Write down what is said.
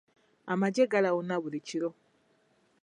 Amagye galawuna buli kiro.